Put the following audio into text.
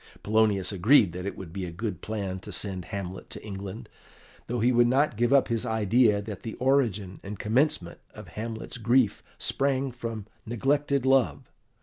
Polonius agreed that it would be a good plan to send Hamlet to England, though he would not give up his idea that the origin and commencement of Hamlet's grief sprang from neglected love.